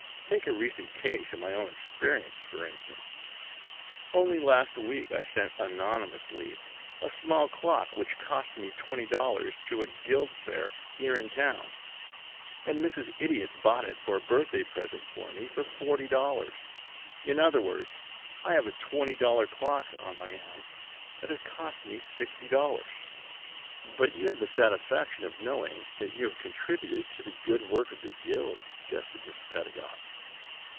Take a recent case in my own experience, for instance. Only last week I sent anonymously a small clock which cost me twenty dollars to a guild fair here in town, and Mrs. Idiot bought it for a birthday present for me for forty dollars. In other words, I have a twenty dollar clock on my hands that has cost me sixty dollars." "But you have the satisfaction of knowing that you have contributed to the good work of the guild," suggested Mr. Pedagog.